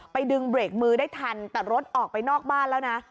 ดึงเบรกมือได้ทันแต่รถออกไปนอกบ้านแล้วนะ